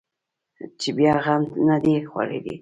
چا بیا غم نه دی خوړلی.